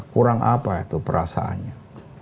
kurang apa itu perasaannya